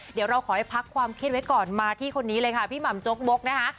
เดี๋ยวเราขอให้พักความเครียดไว้ก่อนมาที่คนนี้เลยค่ะพี่หม่ำจกมกนะคะ